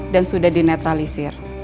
dan sudah dinetralisir